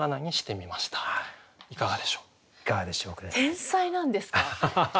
天才なんですか？